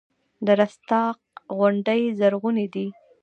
د رستاق غونډۍ زرغونې دي